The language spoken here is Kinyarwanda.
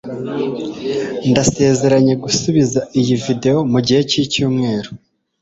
Ndasezeranye gusubiza iyi videwo mugihe cyicyumweru.